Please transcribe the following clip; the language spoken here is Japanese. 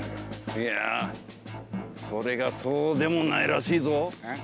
いやそれがそうでもないらしいぞ。